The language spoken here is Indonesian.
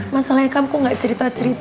masalahnya kamu kok gak cerita cerita